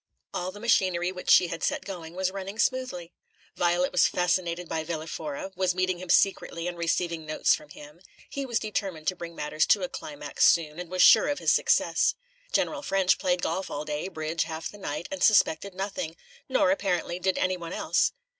All the machinery which she had set going was running smoothly. Violet was fascinated by Villa Fora, was meeting him secretly and receiving notes from him; he was determined to bring matters to a climax soon, and was sure of his success. General Ffrench played golf all day, bridge half the night, and suspected nothing; nor, apparently, did any one else.